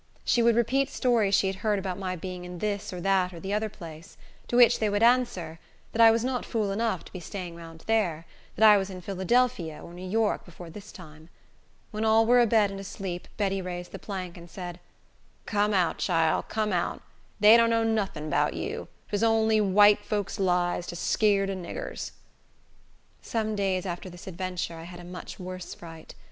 She would repeat stories she had heard about my being in this, or that, or the other place. To which they would answer, that I was not fool enough to be staying round there; that I was in Philadelphia or New York before this time. When all were abed and asleep, Betty raised the plank, and said, "Come out, chile; come out. Dey don't know nottin 'bout you. Twas only white folks' lies, to skeer de niggers." Some days after this adventure I had a much worse fright.